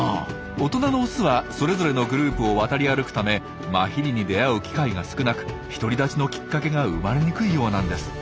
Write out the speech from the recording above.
大人のオスはそれぞれのグループを渡り歩くためマヒリに出会う機会が少なく独り立ちのきっかけが生まれにくいようなんです。